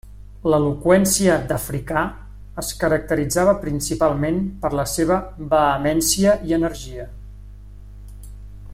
L'eloqüència d'Africà es caracteritzava principalment per la seva vehemència i energia.